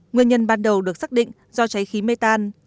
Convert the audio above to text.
nguyên nhân ban đầu được xác định do cháy khí mê tan